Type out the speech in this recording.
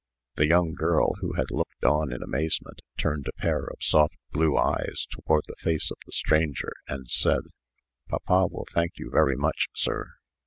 The young girl, who had looked on in amazement, turned a pair of soft blue eyes toward the face of the stranger, and said: "Papa will thank you very much, sir."